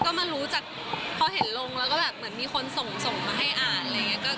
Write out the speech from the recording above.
ก็มารู้จักพอเห็นลงแล้วก็แบบเหมือนมีคนส่งส่งมาให้อ่านอะไรอย่างนี้